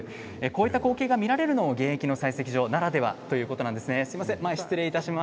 こういった光景が見られるのも現役の採石場ならではということです。